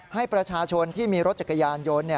ให้ประชาชนที่มีรถจักรยานยนต์